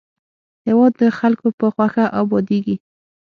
هېواد د خلکو په خوښه ابادېږي.